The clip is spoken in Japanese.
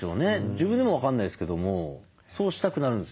自分でも分かんないですけどもそうしたくなるんですよ。